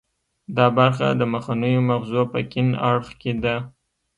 دا برخه د مخنیو مغزو په کیڼ اړخ کې ده